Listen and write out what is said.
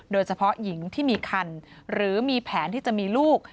โดยเฉพาะหญิงที่มีคันหรือมีแผนที่จะมีลูก